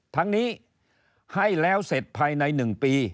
ทั้งนี้ให้แล้วเสร็จภายใน๑ปี